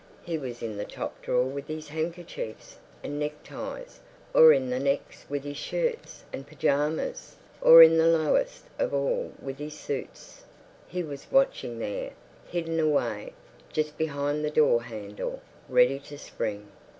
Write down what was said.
He was in the top drawer with his handkerchiefs and neckties, or in the next with his shirts and pyjamas, or in the lowest of all with his suits. He was watching there, hidden away—just behind the door handle—ready to spring.